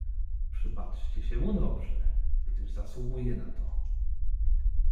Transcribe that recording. "Przypatrzcie się mu dobrze, gdyż zasługuje na to."